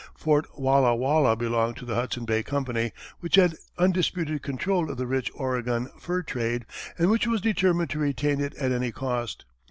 Fort Walla Walla belonged to the Hudson Bay Company, which had undisputed control of the rich Oregon fur trade, and which was determined to retain it at any cost.